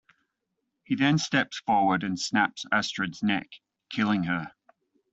He then steps forward and snaps Astrid's neck, killing her.